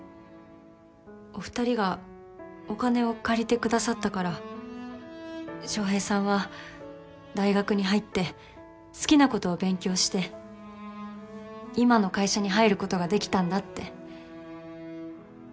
お二人がお金を借りてくださったから翔平さんは大学に入って好きなことを勉強して今の会社に入ることができたんだって。